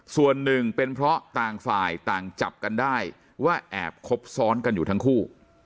ส่วนหนึ่งเป็นเพราะต่างฝ่ายต่างจับกันได้ว่าแอบคบซ้อนกันอยู่ทั้งคู่